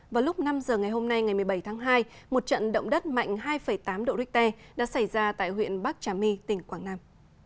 vào lúc năm giờ ngày hôm nay ngày một mươi bảy tháng hai một trận động đất mạnh hai tám độ richter đã xảy ra tại huyện bắc trà my tỉnh quảng nam